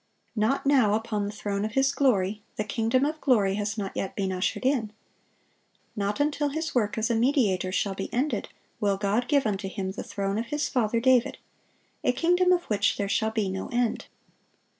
Not now "upon the throne of His glory;" the kingdom of glory has not yet been ushered in. Not until His work as a mediator shall be ended, will God "give unto Him the throne of His father David," a kingdom of which "there shall be no end."